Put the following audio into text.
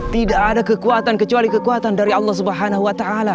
tidak ada kekuatan kecuali kekuatan dari allah swt